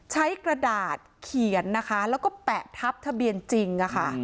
กระดาษเขียนนะคะแล้วก็แปะทับทะเบียนจริงค่ะ